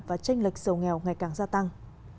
và tranh lệch giàu nghèo ngày càng gia tăng